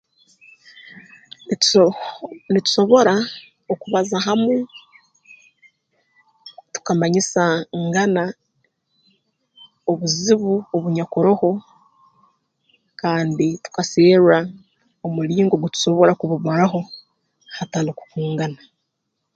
Nituso nitusobora okubaza hamu tukamanyisa ngana obuzibu obunyakuroho kandi tukaserra omulingo ogu tusobora kubumaraho hatali kukungana